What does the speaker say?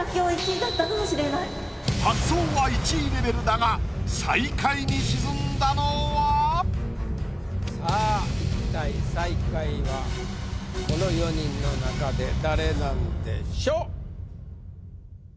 発想は１位レベルだが最下位に沈んだのは⁉さあ一体最下位はこの４人の中で誰なんでしょう？